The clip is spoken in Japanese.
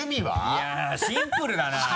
いやシンプルだなぁ。